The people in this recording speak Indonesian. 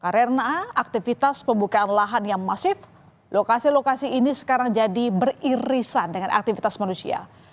karena aktivitas pembukaan lahan yang masif lokasi lokasi ini sekarang jadi beririsan dengan aktivitas manusia